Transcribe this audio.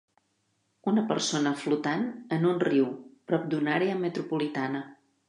Una persona flotant en un riu prop d'una àrea metropolitana